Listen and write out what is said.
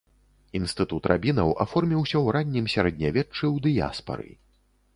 Інстытут рабінаў аформіўся ў раннім сярэднявеччы ў дыяспары.